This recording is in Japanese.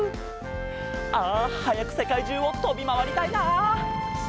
あはやくせかいじゅうをとびまわりたいな。